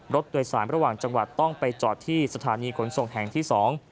รถโดยสารระหว่างจังหวัดต้องไปจอดที่สถานีขนส่งแห่งที่สอง